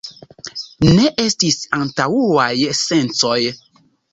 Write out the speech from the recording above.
Ne estis antaŭaj censoj.